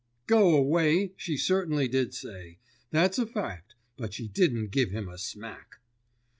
'"Go away" she certainly did say, that's a fact, but she didn't give him a smack!